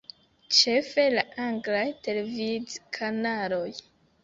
Ĉefe la anglaj televidkanaloj.